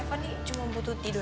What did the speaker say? reva nih cuma butuh tidur